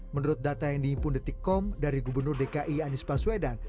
menurut data yang dihimpun detikkom dari gubernur dki anies baswedan